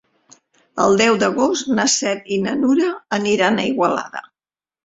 El deu d'agost na Cel i na Nura aniran a Igualada.